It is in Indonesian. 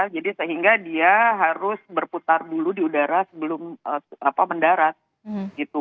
jadi sehingga dia harus berputar dulu di udara sebelum mendarat